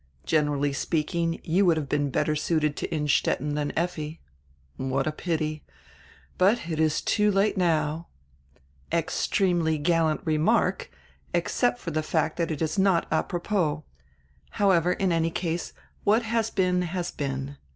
Generally speaking, you would have been better suited to Innstetten dian Effi. What a pity! But it is too late now." "Extremely gallant remark, except for die fact that it is not apropos. However, in any case, what has been has been.